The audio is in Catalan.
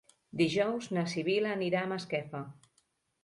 Dijous na Sibil·la anirà a Masquefa.